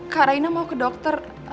kak raina mau ke dokter